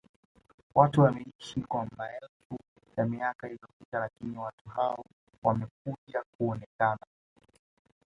watu wameishi kwa maelfu ya miaka iliyopita lakini watu hao wamekuja kuonekana